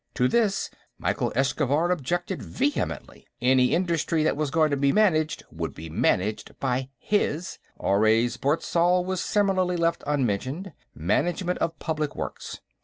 To this, Mykhyl Eschkhaffar objected vehemently; any Industry that was going to be managed would be managed by his Oraze Borztall was similarly left unmentioned management of Public Works.